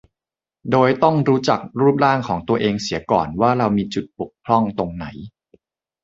โดยต้องรู้จักรูปร่างของตัวเองเสียก่อนว่าเรามีจุดบกพร่องตรงไหน